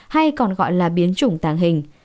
hay còn gọi là biến chủng tàng hình